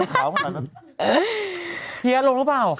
เหตุดิการหี๊ยเพียบลงหรือเปล่า